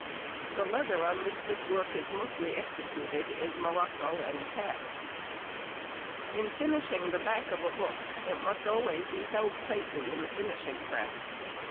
The leather on which this work is mostly executed is morocco and calf. [Illustration: Antique Stamps.] In finishing the back of a book it must always be held tightly in the "finishing press."